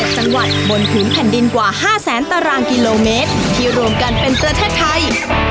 ๗จังหวัดบนผืนแผ่นดินกว่า๕แสนตารางกิโลเมตรที่รวมกันเป็นประเทศไทย